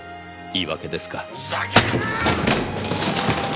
ふざけるな！！